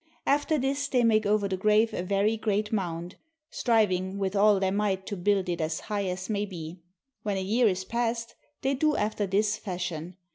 After this they make over the grave a very great mound, striving with all their might to build it as high as may be. When a year is passed they do after this fashion.